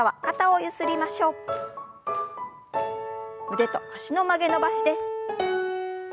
腕と脚の曲げ伸ばしです。